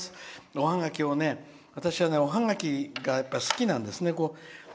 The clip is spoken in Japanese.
おハガキを私はおハガキが好きなんですね。